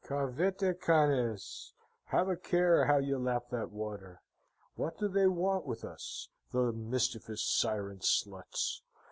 Cavete, canes! Have a care how ye lap that water. What do they want with us, the mischievous siren sluts?